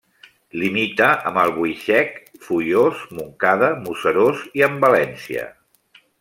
Limita amb Albuixec, Foios, Montcada, Museros i amb València.